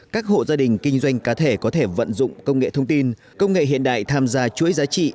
các hộ gia đình kinh doanh cá thể có thể vận dụng công nghệ thông tin công nghệ hiện đại tham gia chuỗi giá trị